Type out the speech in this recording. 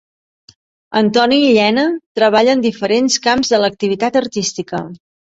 Antoni Llena treballa en diferents camps de l'activitat artística.